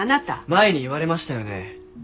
前に言われましたよね？